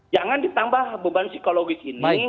jangan ditambah beban psikologis ini dengan tambahan biaya